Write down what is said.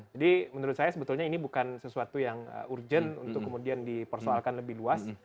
jadi menurut saya sebetulnya ini bukan sesuatu yang urgent untuk kemudian dipersoalkan lebih luas